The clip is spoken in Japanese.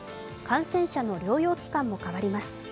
感染者の療養期間も変わります。